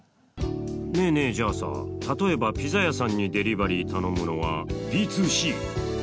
ねえねえじゃあさ例えばピザ屋さんにデリバリー頼むのはＢ２Ｃ。